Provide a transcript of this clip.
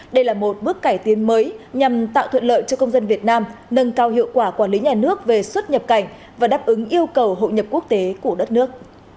đây là một bước cải tiến mới nhằm tạo thuận lợi cho công dân việt nam nâng cao hiệu quả quản lý nhà nước về xuất nhập cảnh và đáp ứng yêu cầu hội nhập quốc tế của đất nước